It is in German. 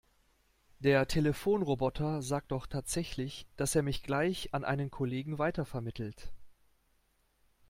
Der Telefonroboter sagt doch tatsächlich, dass er mich gleich an einen Kollegen weitervermittelt.